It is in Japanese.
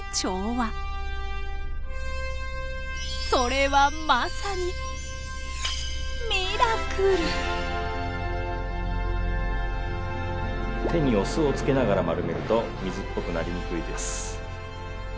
それはまさに手にお酢をつけながら丸めると水っぽくなりにくいです。